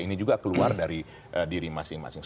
ini juga keluar dari diri masing masing